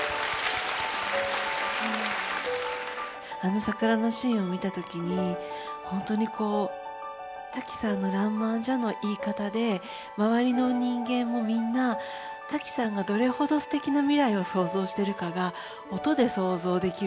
あの桜のシーンを見た時に本当にこうタキさんの「らんまんじゃ」の言い方で周りの人間もみんなタキさんがどれほどすてきな未来を想像しているかが音で想像できるという。